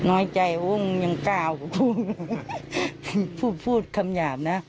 น้อยใจโอ้โหยังกล้าพูดพูดพูดคำหยาบนะ